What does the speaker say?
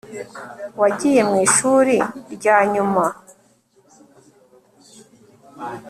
wagiye mwishuri ryanyuma